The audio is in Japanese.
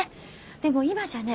でも今じゃね